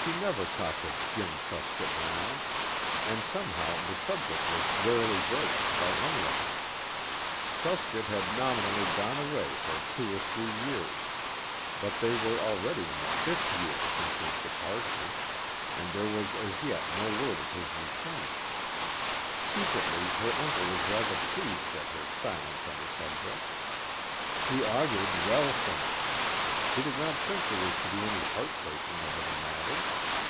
She never talked of Jim Truscott now. And somehow the subject was rarely broached by any of them. Truscott had nominally gone away for two or three years, but they were already in the fifth year since his departure, and there was as yet no word of his returning. Secretly her uncle was rather pleased at her silence on the subject. He augured well from it. He did not think there was to be any heart breaking over the matter.